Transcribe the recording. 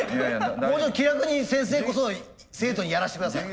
もうちょっと気楽に先生こそ生徒にやらせて下さい。